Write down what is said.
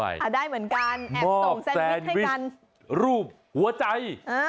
อ่ะได้เหมือนกันแบบส่งแซนวิชให้กันมอบแซนวิชรูปหัวใจ